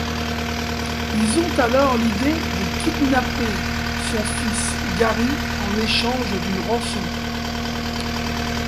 Ils ont alors l'idée de kidnapper son fils Gary en échange d'une rançon.